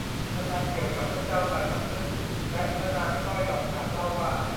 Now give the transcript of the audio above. ตำนานเกี่ยวกับพระเจ้าสายน้ำผึ้งและพระนางสร้อยดอกหมากเล่าว่า